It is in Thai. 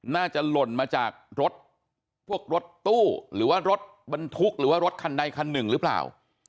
หล่นมาจากรถพวกรถตู้หรือว่ารถบรรทุกหรือว่ารถคันใดคันหนึ่งหรือเปล่า